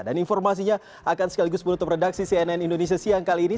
dan informasinya akan sekaligus menutup redaksi cnn indonesia siang kali ini